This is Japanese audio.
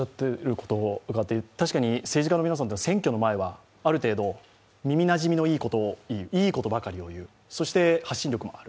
確かに政治家の皆さんは選挙の前はある程度耳なじみのいいことばかりを言う、そして、発信力もある。